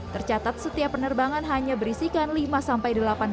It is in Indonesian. tercatat setiap penerbangan hanya berisikan lima delapan penumpang